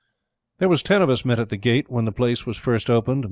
There was ten of us met at the Gate when the place was first opened.